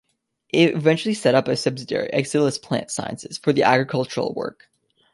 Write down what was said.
It eventually set up a subsidiary, Exelixis Plant Sciences, for the agricultural work.